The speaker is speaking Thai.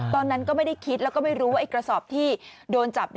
ตอนนั้นก็ไม่ได้คิดแล้วก็ไม่รู้ว่าไอ้กระสอบที่โดนจับ